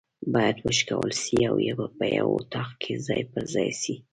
بايد وشکول سي او په یو اطاق کي ځای پر ځای سي